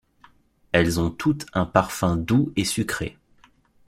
Elles ont toutes un parfum doux et sucré.